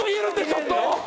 ちょっと！